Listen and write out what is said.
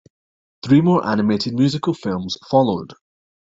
Three more animated musical films followed.